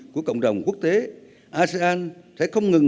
của cộng đồng quốc tế asean sẽ không ngừng